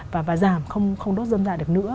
và giảm không đốt dơm lại được nữa